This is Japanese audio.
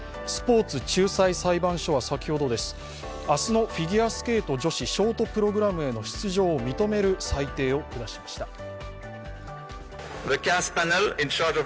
スポーツ仲裁裁判所は先ほど明日のフィギュアスケート女子ショートプログラムへの出場を認める裁定を下しました。